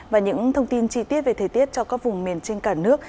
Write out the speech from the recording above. và những thông tin chi tiết về thời tiết cho các vùng miền trên cả nước